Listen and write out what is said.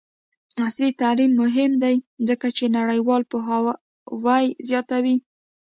عصري تعلیم مهم دی ځکه چې نړیوال پوهاوی زیاتوي.